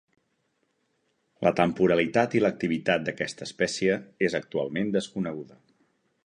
La temporalitat i l'activitat d'aquesta espècie és actualment desconeguda.